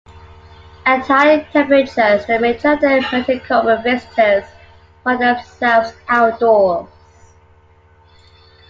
At higher temperatures the majority of Metelkova visitors find themselves outdoors.